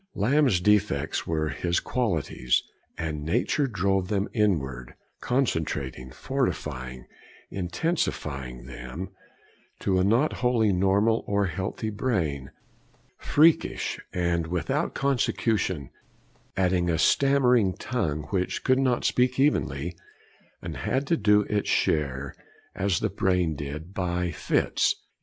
IV Lamb's defects were his qualities, and nature drove them inward, concentrating, fortifying, intensifying them; to a not wholly normal or healthy brain, freakish and without consecution, adding a stammering tongue which could not speak evenly, and had to do its share, as the brain did, 'by fits.'